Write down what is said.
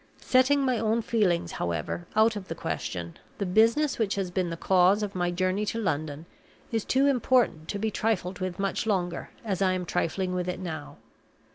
Setting my own feelings however, out of the question, the business which has been the cause of my journey to London is too important to be trifled with much longer as I am trifling with it now.